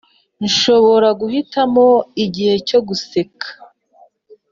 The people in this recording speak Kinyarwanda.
nshobora guhitamo igihe cyo guseka,